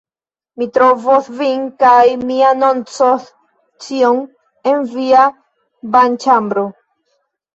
Mi trovos vin kaj mi anoncos ĉion... en via banĉambro...